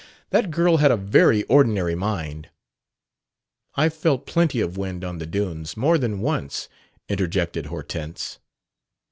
That girl had a very ordinary mind." "I've felt plenty of wind on the dunes, more than once," interjected Hortense.